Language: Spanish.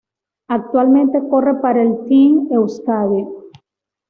Actualmente corre para el Team Euskadi.